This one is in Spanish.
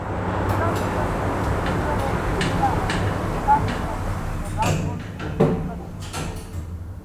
La superficie interior es nivelada y casi carente de rasgos significativos.